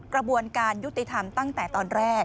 กระบวนการยุติธรรมตั้งแต่ตอนแรก